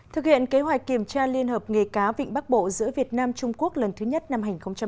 thực hiện kế hoạch kiểm tra liên hợp nghề cáo vịnh bắc bộ giữa việt nam trung quốc lần thứ nhất năm hai nghìn một mươi chín